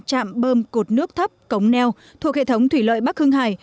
trạm bơm cột nước thấp cống neo thuộc hệ thống thủy lợi bắc hưng hải